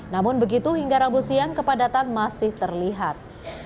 namun begitu hingga rabu siang kepadatan masih terlihat